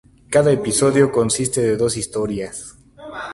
Cada episodio consiste de dos historias.